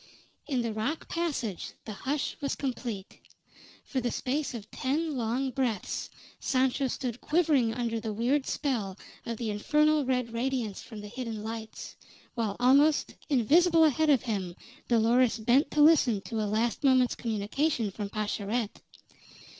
In the rock passage the hush was complete. For the space of ten long breaths Sancho stood quivering under the weird spell of the infernal red radiance from the hidden lights, while almost invisible ahead of him Dolores bent to listen to a last moment's communication from Pascherette.